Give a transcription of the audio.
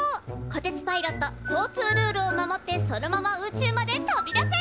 こてつパイロット交通ルールを守ってそのまま宇宙まで飛び出せ！